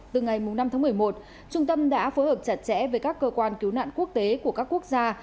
từ ngày năm tháng một mươi một trung tâm đã phối hợp chặt chẽ với các cơ quan cứu nạn quốc tế của các quốc gia